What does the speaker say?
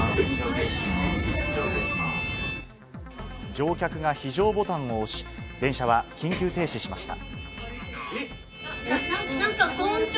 乗客が非常ボタンを押し、電車は緊急停止しました。